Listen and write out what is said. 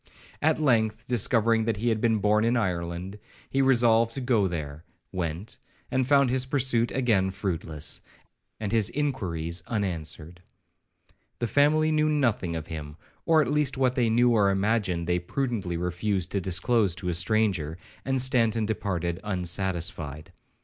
At length, discovering that he had been born in Ireland, he resolved to go there,—went, and found his pursuit again fruitless, and his inquiries unanswered. The family knew nothing of him, or at least what they knew or imagined, they prudently refused to disclose to a stranger, and Stanton departed unsatisfied.